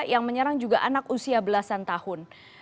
yang menyerang juga anak usia belasan tahun